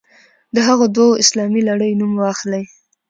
د هغو دوو اسلامي لړیو نوم واخلئ.